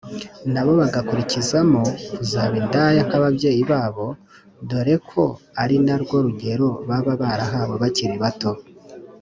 nabo bagakurizamo kuzaba indaya nk’ababyeyi babo dore ko ari na rwo rugero baba barahawe bakiri bato